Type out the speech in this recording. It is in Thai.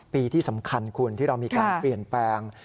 ปีที่สำคัญคุณที่เรามีการเปลี่ยนแปลง